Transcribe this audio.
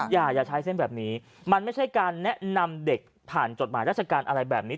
อย่าใช้เส้นแบบนี้มันไม่ใช่การแนะนำเด็กผ่านจดหมายราชการอะไรแบบนี้